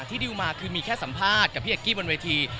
ดิวมาคือมีแค่สัมภาษณ์กับพี่เอกกี้บนเวที